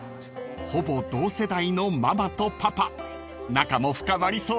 ［ほぼ同世代のママとパパ仲も深まりそうです］